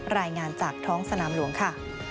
รายงานจากท้องสนามหลวงค่ะ